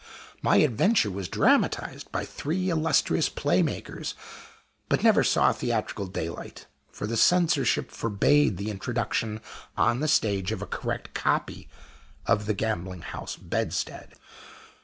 My adventure was dramatized by three illustrious play makers, but never saw theatrical daylight; for the censorship forbade the introduction on the stage of a correct copy of the gambling house bedstead.